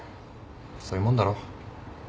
そういうもんだろ。